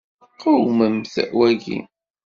Qewmemt waki.